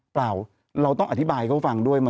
เปล่าเราต้องอธิบายเขาฟังด้วย